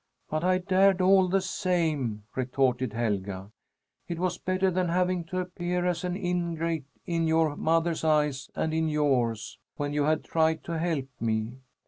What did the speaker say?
"But I dared, all the same," retorted Helga. "It was better than having to appear as an ingrate in your mother's eyes and in yours, when you had tried to help me.